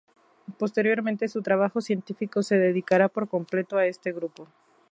Posteriormente, su trabajo científico se dedicará por completo a este grupo.